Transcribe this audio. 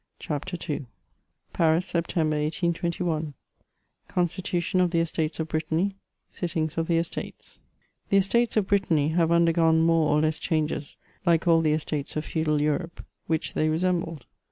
CHATEAUBRIAND. 193 Paris, September, 1821. CONSnTUnON of the estates of BSITTAKT — 8ITTIMG8 OF THE ESTATES. The Estates of Brittany have undergone more or less changes, like all the Estates of feudal Europe, which they resembled.